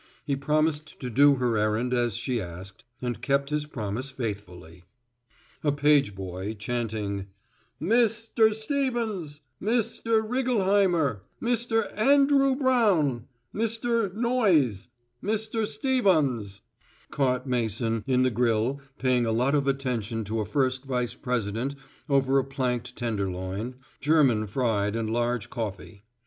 He promised to do her errand as she asked, and kept his promise faithfully. A page boy chanting "Mis ter Stev uns, Mis ter Riggle hei murr, Mis ter An droo Brown, Mis ter Noise, Mis ter Stevuns," caught Mason in the grill paying a lot of attention to a first vice president over a planked tenderloin, German fried and large coffee.